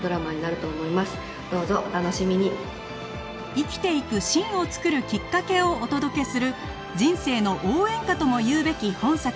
生きていく芯を作るきっかけをお届けする人生の応援歌ともいうべき本作